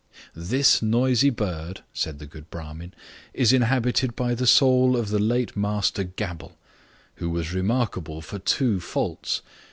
"This noisy bird, said the good Bramin, is inhabited by the soul of the late master Gabble, who was remarkable for two faults.